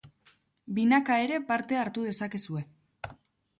Binaka ere parte hartu dezakezue.